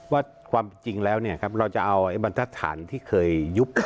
ว่าความจริงแล้วเนี่ยครับเราจะเอาไอ้บรรทัศนที่เคยยุบ